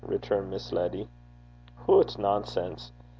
returned Miss Letty. 'Hoot! nonsense!